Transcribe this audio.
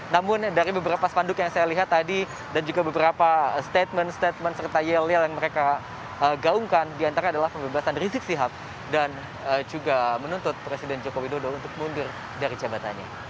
namun dari beberapa spanduk yang saya lihat tadi dan juga beberapa statement statement serta yel yel yang mereka gaungkan diantara adalah pembebasan rizik sihab dan juga menuntut presiden joko widodo untuk mundur dari jabatannya